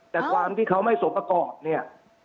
แต่ความที่เขาไม่สมประกอบเนี่ย